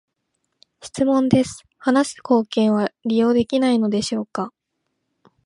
質問です、話す貢献は利用できないのでしょうか？